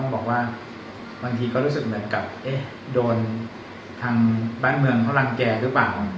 บ้างทีเขารู้สึกเหมือนกับโดนบ้านเมืองเข้ารังแก่รึเปล่า